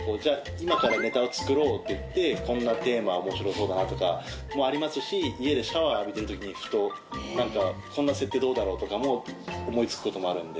今からネタを作ろうっていってこんなテーマ面白そうだなとかもありますし家でシャワー浴びてる時にふと何かこんな設定どうだろうとかも思い付くこともあるんで。